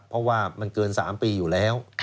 เพราะว่ามันเกิน๓ปีอยู่แล้ว